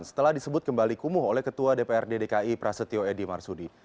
setelah disebut kembali kumuh oleh ketua dprd dki prasetyo edy marsudi